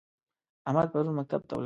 احمدن پرون مکتب ته لاړ و؟